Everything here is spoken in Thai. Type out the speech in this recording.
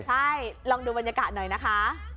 ใช่ลองดูบรรยากาศหน่อยนะคะ